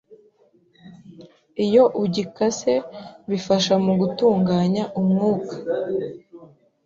iyo ugikase bifasha mu gutunganya umwuka